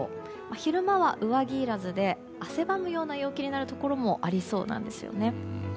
昼間は上着いらずで汗ばむような陽気になるところもありそうなんですよね。